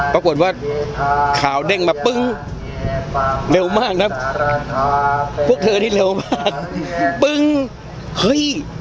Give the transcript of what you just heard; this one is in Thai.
ปรากฏว่าข่าวเด้งมาปึ้งเร็วมากครับพวกเธอนี่เร็วมากปึ้งเฮ้ย